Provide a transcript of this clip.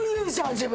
自分。